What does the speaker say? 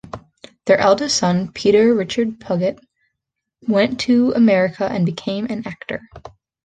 Their eldest son, Peter Richard Puget, went to America and became an actor.